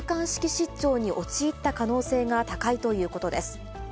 失調に陥った可能性が高いということです。